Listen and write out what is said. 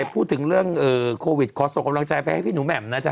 พูดถึงเรื่องโควิดขอส่งกำลังใจไปให้พี่หนูแหม่มนะจ๊